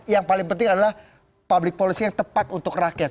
yang paling penting adalah public policy yang tepat untuk rakyat